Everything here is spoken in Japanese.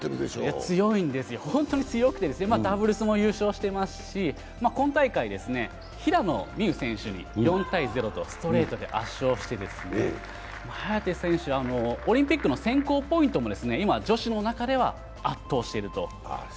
強いんです、本当に強くてダブルスも優勝してますし今大会、平野美宇選手に４−０とストレートで圧勝して早田選手はオリンピックの選考ポイントも今、女子の中では圧倒していると。